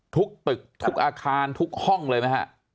ทุกตึกทุกอาคารทุกห้องเลยไหมฮะ